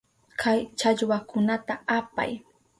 Kay challwakunata apay.